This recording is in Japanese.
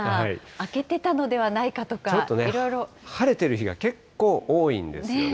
明けてたのではないかとか、いろ晴れてる日が結構多いんですよね。